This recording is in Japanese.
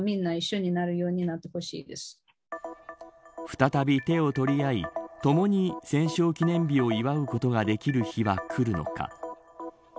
再び手を取り合いともに戦勝記念日を祝うことができる日が来るのか。